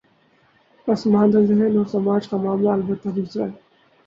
پس ماندہ ذہن اور سماج کا معاملہ البتہ دوسرا ہے۔